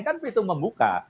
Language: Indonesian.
kan itu membuka